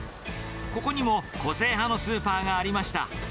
ここにも個性派のスーパーがありました。